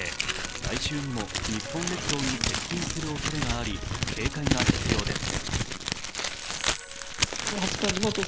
来週にも日本列島に接近するおそれがあり警戒が必要です。